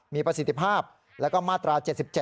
มีประสิทธิภาพแล้วก็มาตรา๗๗